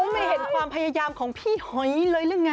ไม่เห็นความพยายามของพี่หอยเลยหรือไง